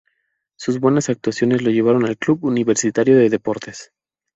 Sus buenas actuaciones lo llevaron al club Universitario de Deportes.